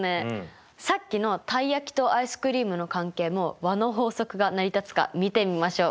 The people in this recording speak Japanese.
さっきのたい焼きとアイスクリームの関係も和の法則が成り立つか見てみましょう。